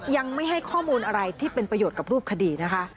ยังไม่ให้ข้อมูลอะไรที่เป็นประโยชน์กับรูปคดีนะคะ